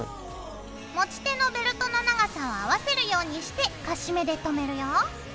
持ち手のベルトの長さを合わせるようにしてカシメでとめるよ。